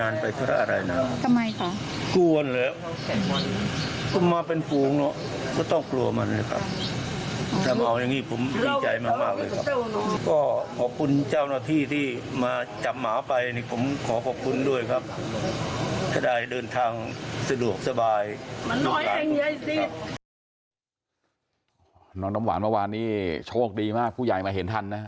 น้องน้ำหวานเมื่อวานนี้โชคดีมากผู้ใหญ่มาเห็นทันนะ